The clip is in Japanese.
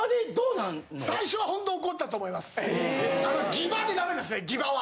ギバでダメですねギバは。